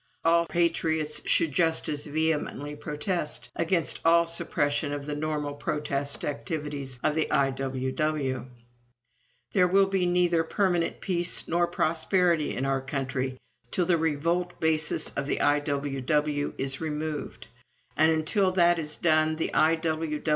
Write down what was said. All patriots should just as vehemently protest against all suppression of the normal protest activities of the I.W.W. There will be neither permanent peace nor prosperity in our country till the revolt basis of the I.W.W. is removed. And until that is done, the I.